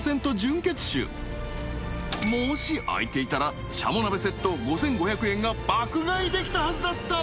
［もし開いていたらシャモ鍋セット５，５００円が爆買いできたはずだった。